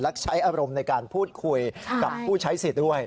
และใช้อารมณ์ในการพูดคุยกับผู้ใช้สิทธิ์ด้วย